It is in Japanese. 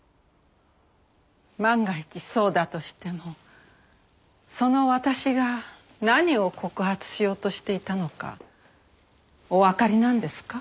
万が一そうだとしてもその「私」が何を告発しようとしていたのかおわかりなんですか？